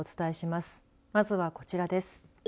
まずは、こちらです。